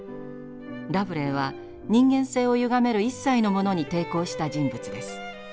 ラブレーは人間性をゆがめる一切のものに抵抗した人物です。